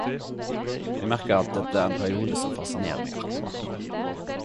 Eg merkar at dette er ein periode som fascinerer meg akkurat nå.